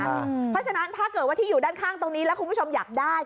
เพราะฉะนั้นถ้าเกิดว่าที่อยู่ด้านข้างตรงนี้แล้วคุณผู้ชมอยากได้